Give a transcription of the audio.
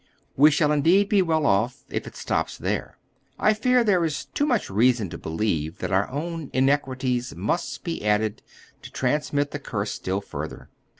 We shall indeed be well off, if it stop there. I fear there is too much reason to believe that our own iniquities must be added to transmit the curse still further.